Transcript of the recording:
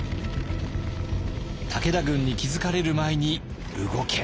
武田軍に気付かれる前に動け！